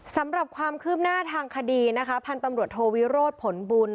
สำหรับความคืบหน้าทางคดีนะคะพันธุ์ตำรวจโทวิโรธผลบุญ